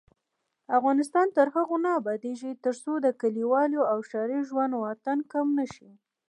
افغانستان تر هغو نه ابادیږي، ترڅو د کلیوالي او ښاري ژوند واټن کم نشي.